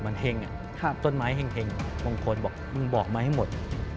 มันแห่งอะต้นไม้แห่งบางคนบอกมึงบอกมาให้หมด